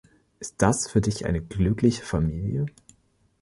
Ist das für dich eine glückliche Familie?